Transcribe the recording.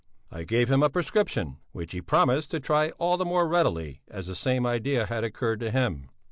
I gave him a prescription which he promised to try all the more readily as the same idea had occurred to him.